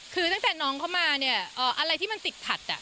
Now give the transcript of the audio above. คือตั้งแต่น้องเข้ามาเนี่ยอะไรที่มันติดขัด